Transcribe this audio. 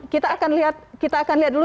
kita akan lihat kita akan lihat dulu